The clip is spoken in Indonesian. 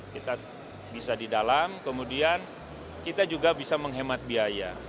kita bisa di dalam kemudian kita juga bisa menghemat biaya